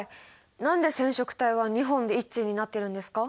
何で染色体は２本で一対になってるんですか？